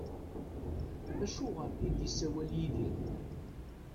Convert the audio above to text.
Acuɣer i d-isawel Yidir?